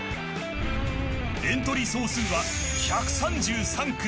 エントリー総数は１３３組。